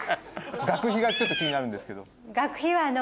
学費がちょっと気になるんですけど。